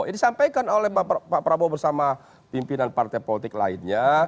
ini disampaikan oleh pak prabowo bersama pimpinan partai politik lainnya